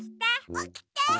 おきて！